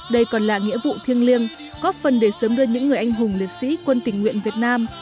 đây còn là nghĩa vụ thiêng liêng góp phần để sớm đưa những người anh hùng liệt sĩ quân tình nguyện việt nam